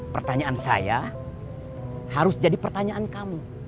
pertanyaan saya harus jadi pertanyaan kamu